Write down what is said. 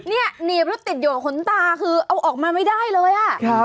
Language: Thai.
หนีบที่ติดอยู่กับขนตาคือเอาออกมันไม่ได้เลย